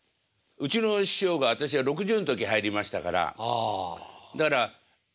うちの師匠が私は６０の時入りましたからだから。